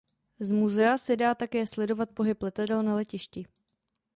Z muzea se dá také sledovat pohyb letadel na letišti.